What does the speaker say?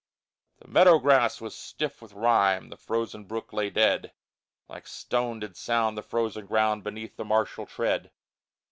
The meadow grass was stiff with rime, The frozen brook lay dead; Like stone did sound the frozen ground Beneath the martial tread.